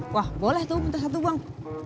wah boleh tuh minta satu bang